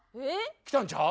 きたんちゃう？